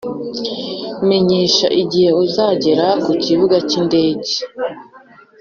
menyesha igihe uzagera kukibuga cyindege.